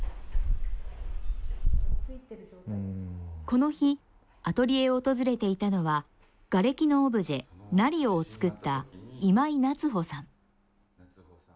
この日アトリエを訪れていたのはがれきのオブジェ「ナリオ」を作った今井夏帆さん。